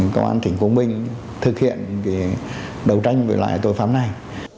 công an tỉnh quảng bình thực hiện đấu tranh với loại tội phạm này